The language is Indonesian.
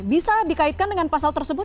bisa dikaitkan dengan pasal tersebut